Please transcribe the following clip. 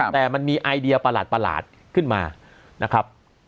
แต่มันมีไอเดียประหลาดขึ้นมานะครับ